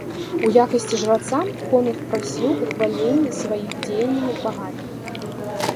У якасці жраца, конунг прасіў ухвалення сваіх дзеянняў багамі.